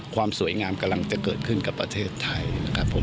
ความสวยงามกำลังจะเกิดขึ้นกับประเทศไทยนะครับผม